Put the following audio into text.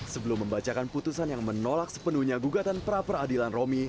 sebelum membacakan putusan yang menolak sepenuhnya gugatan pra peradilan romi